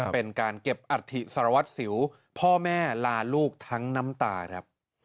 เป็นการเก็บอัฐิสารวัตรสิวพ่อแม่ลาลูกทั้งน้ำตาครับ